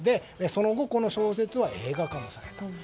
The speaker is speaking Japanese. その後この小説は映画化もされた。